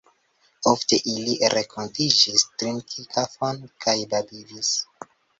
Ofte ili renkontiĝis, trinkis kafon kaj babilis.